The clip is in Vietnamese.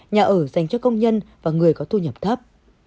nhà ở dành cho công nhân và người có thu nhập thấp